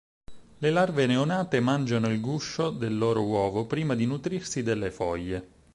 Le larve neonate mangiano il guscio del loro uovo prima di nutrirsi delle foglie.